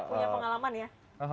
punya pengalaman ya